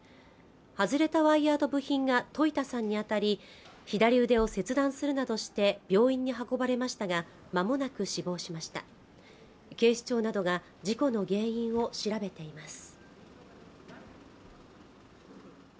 外れたワイヤーと部品が戸井田さんに当たり左腕を切断するなどして病院に運ばれましたがまもなく死亡しました警視庁などが事故の原因を調べています